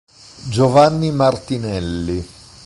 Giovanni Martinelli